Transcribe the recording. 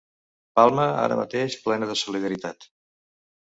Palma ara mateix plena de solidaritat.